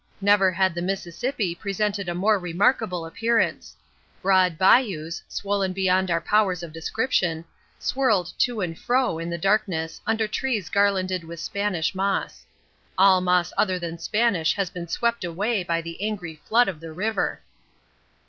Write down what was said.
Never had the Mississippi presented a more remarkable appearance. Broad bayous, swollen beyond our powers of description, swirled to and fro in the darkness under trees garlanded with Spanish moss. All moss other than Spanish had been swept away by the angry flood of the river.